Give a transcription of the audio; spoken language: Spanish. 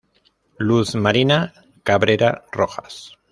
Luz Marina Cabrera Rojas.